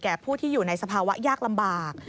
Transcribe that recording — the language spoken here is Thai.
ผู้ที่อยู่ในสภาวะยากลำบาก